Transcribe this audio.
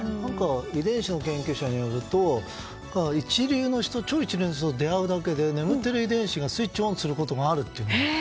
遺伝子の研究者によると一流の人、超一流の人に出会うだけで眠っている遺伝子がスイッチオンすることがあるという。